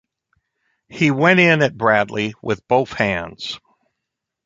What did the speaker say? He went in at Bradley with both hands.